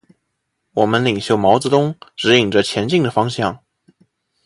我们领袖毛泽东，指引着前进的方向。